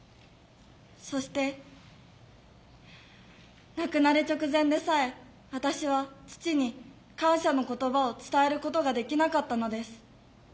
そして亡くなる直前でさえ私は父に感謝の言葉を伝えることができなかったのです。